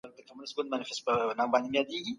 ستره شورا د هېواد خپلواکي ساتي.